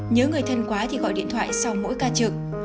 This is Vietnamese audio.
nhớ người thân quá thì gọi điện thoại sau mỗi ca trực